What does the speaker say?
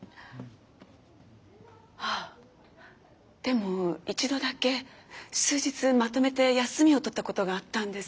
あでも一度だけ数日まとめて休みを取ったことがあったんです。